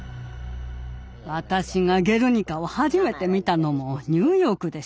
私が「ゲルニカ」を初めて見たのもニューヨークでした。